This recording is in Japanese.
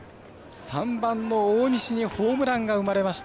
３番の大西にホームランが生まれました。